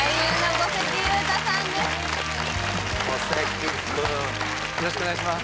小関君よろしくお願いします